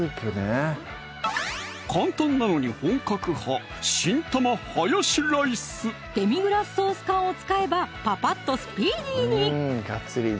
簡単なのに本格派デミグラスソース缶を使えばぱぱっとスピーディーに！